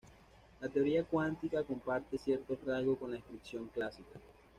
La teoría cuántica comparte ciertos rasgos con la descripción clásica.